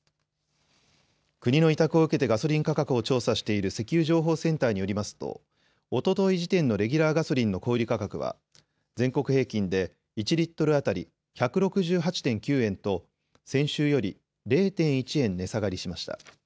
国の委託を受けてガソリン価格を調査している石油情報センターによりますとおととい時点のレギュラーガソリンの小売価格は全国平均で１リットル当たり１６８．９円と先週より０．１円値下がりしました。